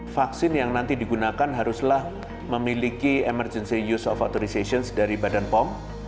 vaksin yang nanti digunakan haruslah memiliki emergency use of authorizations dari badan pom